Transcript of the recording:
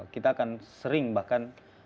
kita akan sering bahkan